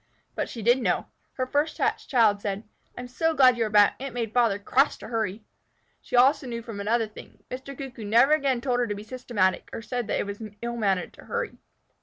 But she did know. Her first hatched child said, "I'm so glad you are back. It made Father cross to hurry." She also knew from another thing: Mr. Cuckoo never again told her to be systematic, or said that it was ill mannered to hurry.